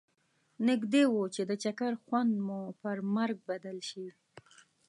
نږدي و چې د چکر خوند مو پر مرګ بدل شي.